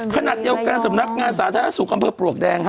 ภนัดเยาะการสำนักงานสาธารณสุขกำเภอปลวกแดง